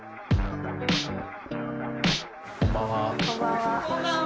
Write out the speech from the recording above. こんばんは。